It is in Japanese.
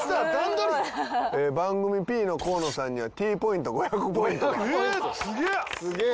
番組Ｐの河野さんにはＴポイント５００ポイントが。え！